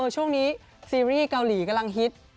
ช่วงนี้ซีรีส์เกาหลีกำลังฮิต